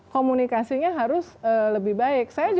komunikasinya harus lebih baik